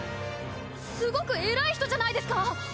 すごく偉い人じゃないですか！